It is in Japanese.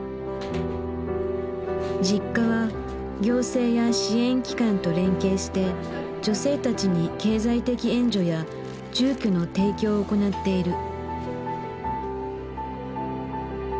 Ｊｉｋｋａは行政や支援機関と連携して女性たちに経済的援助や住居の提供を行っている。